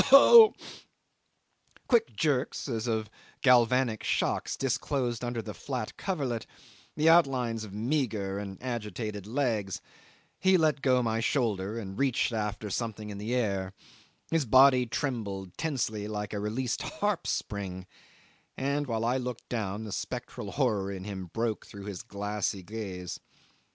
Ough! Ough!" Quick jerks as of galvanic shocks disclosed under the flat coverlet the outlines of meagre and agitated legs; he let go my shoulder and reached after something in the air; his body trembled tensely like a released harp string; and while I looked down, the spectral horror in him broke through his glassy gaze.